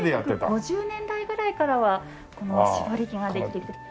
１９５０年代ぐらいからはこの絞り器ができてきて。